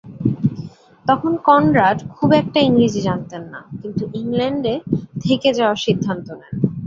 তখন কনরাড খুব একটা ইংরেজি জানতেন না কিন্তু ইংল্যান্ডে থেকে যাওয়ার সিদ্ধান্ত নেন।